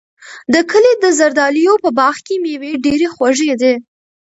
د کلي د زردالیو په باغ کې مېوې ډېرې خوږې دي.